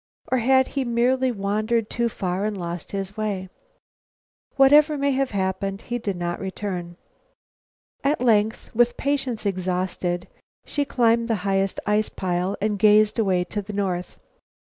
Or had he merely wandered too far and lost his way? Whatever may have happened, he did not return. At length, with patience exhausted, she climbed the highest ice pile and gazed away to the north.